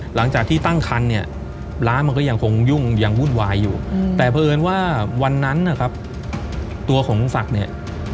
หลังจากที่ตั้งคันเนี่ยร้านมันก็ยังคงยุ่งยังวุ่นวายอยู่แต่เผอิญว่าวันนั้นนะครับตัวของลุงศักดิ์เนี่ย